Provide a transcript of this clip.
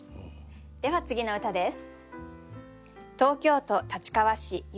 では次の歌です。